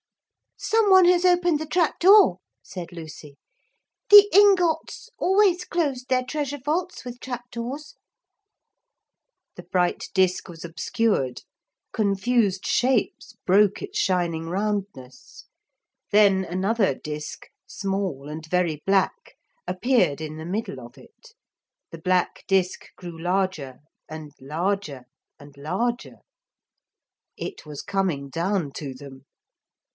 'Some one has opened the trap door,' said Lucy. 'The Ingots always closed their treasure vaults with trap doors.' The bright disk was obscured; confused shapes broke its shining roundness. Then another disk, small and very black appeared in the middle of it; the black disk grew larger and larger and larger. It was coming down to them.